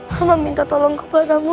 mama minta tolong kepadamu